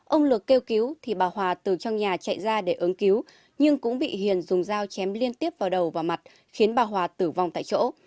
ông lược kêu cứu thì bà hòa từ trong nhà chạy ra để ứng cứu nhưng cũng bị hiền dùng dao chém liên tiếp vào đầu và mặt khiến bà hòa tử vong tại chỗ